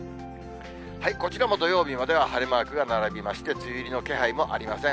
こちらも土曜日までは晴れマークが並びまして、梅雨入りの気配もありません。